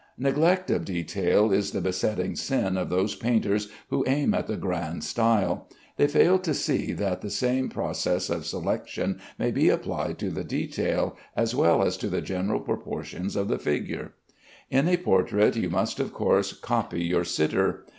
Neglect of detail is the besetting sin of those painters who aim at the grand style. They fail to see that the same process of selection may be applied to the detail, as well as to the general proportions of the figure. In a portrait you must of course copy your sitter.